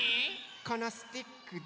このスティックで。